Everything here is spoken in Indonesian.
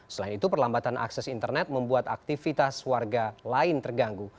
selain itu perlambatan akses internet membuat aktivitas warga lain terganggu